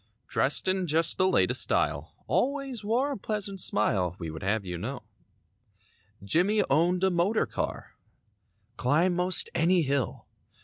Dressed in just the latest style; Always wore a pleasant smile. We would have you know. Jimmie owned a motor car; Climb most any hill.